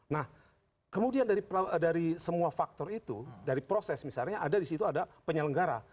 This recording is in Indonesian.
nah kemudian dari semua faktor itu dari proses misalnya ada di situ ada penyelenggara